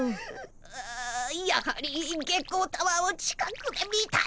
あやはり月光タワーを近くで見たい。